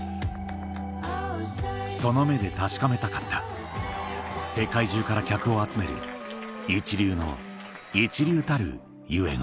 その目で確かめたかった世界中から客を集める一流の一流たるゆえんを